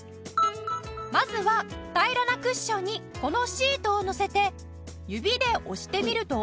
まずは平らなクッションにこのシートをのせて指で押してみると。